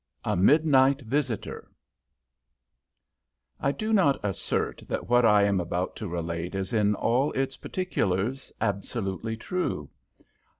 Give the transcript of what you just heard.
A MIDNIGHT VISITOR I do not assert that what I am about to relate is in all its particulars absolutely true.